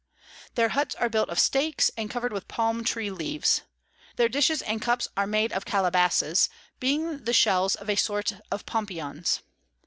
Their Hutts are built of Stakes, and cover'd with Palm tree Leaves. Their Dishes and Cups are made of Calabasses, being the Shells of a sort of Pompions.